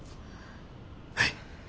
はい。